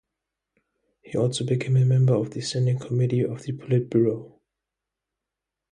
He also became a member of the Standing Committee of the Politburo.